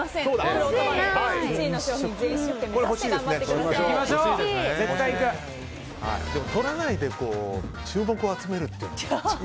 でも、とらないで注目を集めるっていうのも。